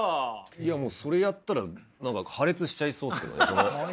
いやもうそれやったら何か破裂しちゃいそうですけどね。